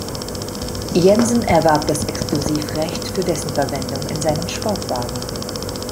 Jensen erwarb das Exklusivrecht für dessen Verwendung in seinen Sportwagen.